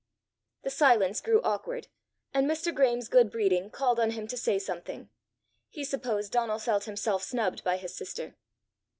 The silence grew awkward; and Mr. Graeme's good breeding called on him to say something; he supposed Donal felt himself snubbed by his sister.